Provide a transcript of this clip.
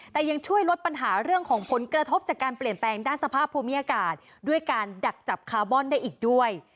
แต่ยังช่วยลดปัญหาเรื่องของผลกระทบจากการเปลี่ยนแปลงด้านสภาพภูมิอากาศด้วยการดักจับคาร์บอนได้อีกด้วย